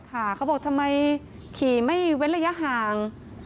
เขาบอกทำไมขี่ไม่เว้นระยะห่าง